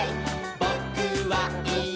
「ぼ・く・は・い・え！